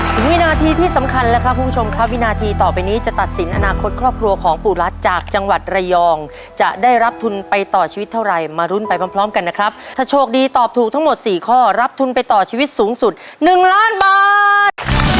วินาทีที่สำคัญแล้วครับคุณผู้ชมครับวินาทีต่อไปนี้จะตัดสินอนาคตครอบครัวของปู่รัฐจากจังหวัดระยองจะได้รับทุนไปต่อชีวิตเท่าไรมารุ้นไปพร้อมพร้อมกันนะครับถ้าโชคดีตอบถูกทั้งหมดสี่ข้อรับทุนไปต่อชีวิตสูงสุด๑ล้านบาท